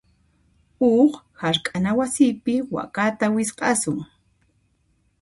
Huk hark'ana wasipi wakata wisq'asun.